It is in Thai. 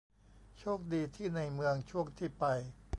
โชคดีที่ในเมืองช่วงที่ไป